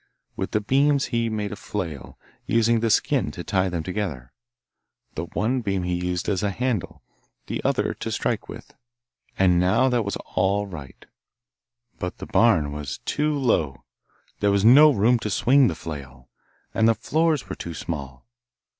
With the beams he made a flail, using the skin to tie them together. The one beam he used as a handle, and the other to strike with, and now that was all right. But the barn was too low, there was no room to swing the flail, and the floors were too small.